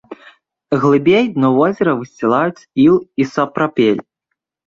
Глыбей дно возера высцілаюць іл і сапрапель.